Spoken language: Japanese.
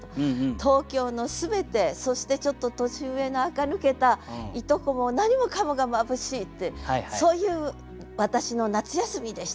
東京の全てそしてちょっと年上なあか抜けた従姉妹も何もかもが眩しいってそういう私の夏休みでした。